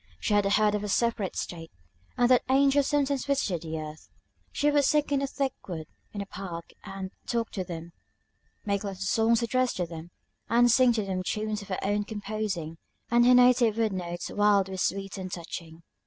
She had heard of a separate state, and that angels sometimes visited this earth. She would sit in a thick wood in the park, and talk to them; make little songs addressed to them, and sing them to tunes of her own composing; and her native wood notes wild were sweet and touching.